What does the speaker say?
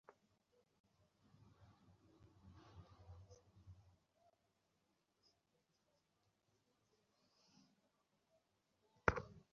তুমি তো বোম্বে যাচ্ছো।